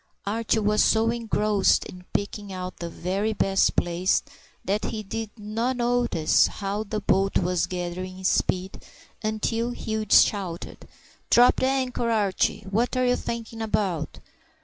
Archie was so engrossed in picking out the very best place that he did not notice how the boat was gathering speed until Hugh shouted,— "Drop the anchor, Archie! What are you thinking about?"